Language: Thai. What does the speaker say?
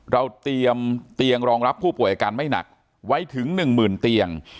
เราเตรียมเตียงรองรับผู้ป่วยอาการไม่หนักไว้ถึง๑๐๐๐เตียง